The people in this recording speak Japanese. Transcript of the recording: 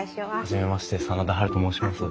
初めまして真田ハルと申します。